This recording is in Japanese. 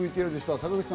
坂口さん